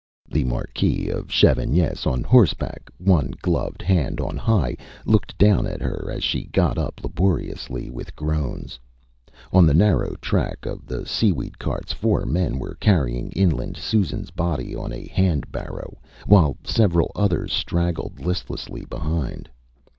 The Marquis of Chavanes, on horseback, one gloved hand on thigh, looked down at her as she got up laboriously, with groans. On the narrow track of the seaweed carts four men were carrying inland SusanÂs body on a hand barrow, while several others straggled listlessly behind.